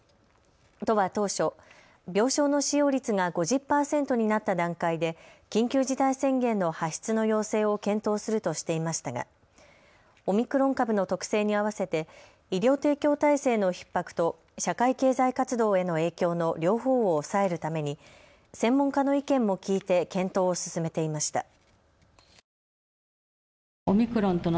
都は当初、病床の使用率が５０％になった段階で、緊急事態宣言の発出の要請を検討するとしていましたが、オミクロン株の特性に合わせて医療提供体制のひっ迫と社会経済活動への影響の両方を抑えるために専門家の意見も聞いて検討を進めていました。